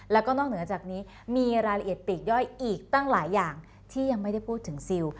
แล้วก็นอกเหนือจากนี้มีรายละเอียดปีกย่อยอีกตั้งหลายอย่างที่ยังไม่ได้พูดถึงซิล